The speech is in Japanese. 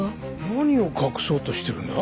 何を隠そうとしてるんだ？